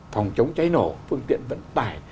phòng chống cháy nổ phương tiện vận tải